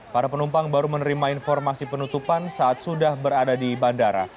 para penumpang baru menerima informasi penutupan saat sudah berada di bandara